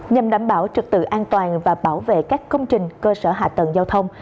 nhằm đảm bảo trực tự an toàn và bảo vệ các công trình cơ sở hạ tầng giao thông